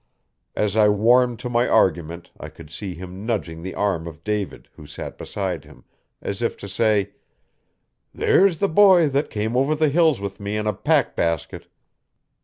As I warmed to my argument I could see him nudging the arm of David, who sat beside him, as if to say, 'There's the boy that came over the hills with me in a pack basket.'